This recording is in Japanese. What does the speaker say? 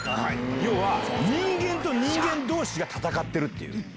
要は人間と人間同士が戦ってる。